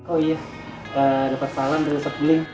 oh iya dapat salam dari ustaz beling